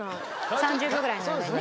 ３０秒ぐらいの間にね。